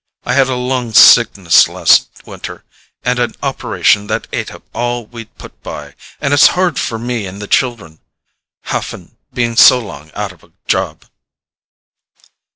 I had a long sickness last winter, and an operation that ate up all we'd put by; and it's hard for me and the children, Haffen being so long out of a job."